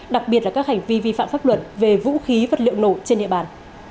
đặc biệt là các hành vi vi phạm pháp luật về vũ khí vật liệu nổ trên địa bàn